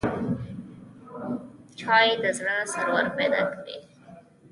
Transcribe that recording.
چای د زړه سرور پیدا کوي